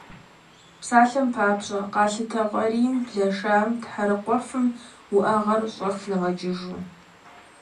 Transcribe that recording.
Псалъэм папщӏэ, къалъытэ фӏарийм, блашэм, тхьэрыкъуэфым уӏэгъэр щӏэх ягъэкӏыжу.